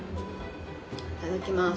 いただきます。